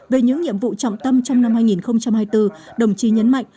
về những nhiệm vụ trọng tâm trong năm hai nghìn hai mươi bốn đồng chí nhấn mạnh